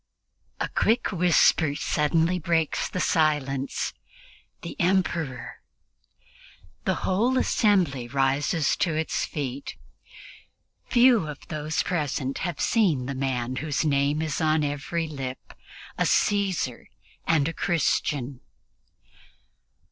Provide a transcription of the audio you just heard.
A quick whisper suddenly breaks the silence: "The Emperor!" and the whole assembly rises to its feet. Few of those present have seen the man whose name is on every lip, a Caesar and a Christian!